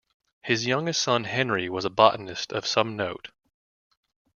His youngest son Henri was a botanist of some note.